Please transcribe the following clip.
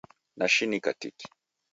Nashinika tiki